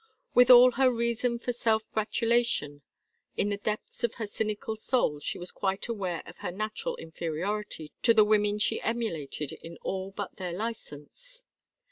With all her reason for self gratulation, in the depths of her cynical soul she was quite aware of her natural inferiority to the women she emulated in all but their license.